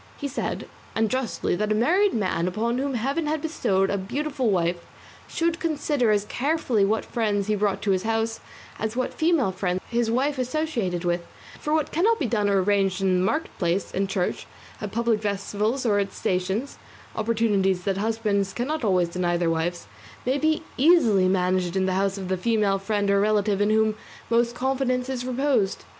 He said, and justly, that a married man upon whom heaven had bestowed a beautiful wife should consider as carefully what friends he brought to his house as what female friends his wife associated with, for what cannot be done or arranged in the market place, in church, at public festivals or at stations (opportunities that husbands cannot always deny their wives), may be easily managed in the house of the female friend or relative in whom most confidence is reposed.